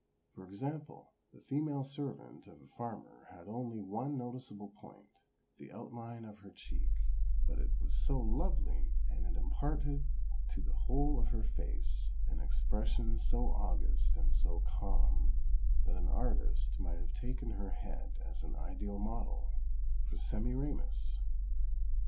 For example, the female servant of a farmer had only one noticeable point, the out line of her cheek, but it was so lovely, and it imparted to the whole of her face an expression so august and so calm that an artist might have taken her head as an ideal model for Semiramis.